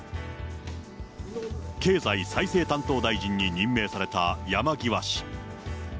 経済再生担当大臣に任命された山際氏。